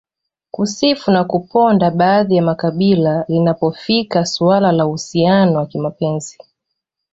kusifu na kuponda baadhi ya makabila linapofika suala la uhusiano wa kimapenzi